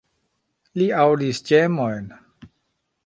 Li aŭdis ĝemojn.